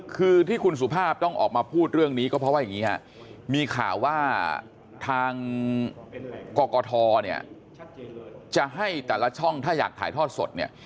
คือที่คุณสุภาพต้องออกมาพูดเรื่องนี้ก็เพราะว่าอย่างนี้ฮะมีข่าวว่าทางกกทเนี่ยจะให้แต่ละช่องถ้าอยากถ่ายทอดสดเนี่ย